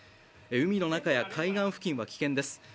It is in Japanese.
海の中や海岸付近は危険です。